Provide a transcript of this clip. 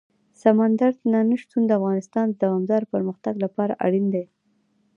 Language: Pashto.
سمندر نه شتون د افغانستان د دوامداره پرمختګ لپاره اړین دي.